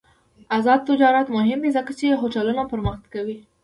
آزاد تجارت مهم دی ځکه چې هوټلونه پرمختګ کوي.